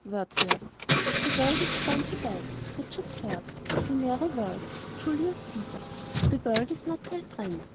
Wordsworth. "The World is grown so bad." Richard III. "The narrow World." Julius Cæsar. "The World is not thy friend."